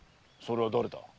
それは誰だ？